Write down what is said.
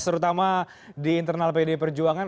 terutama di internal pdi perjuangan